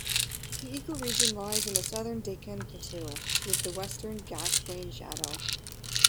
The eco-region lies in the southern Deccan Plateau, within the Western Ghats' rain shadow.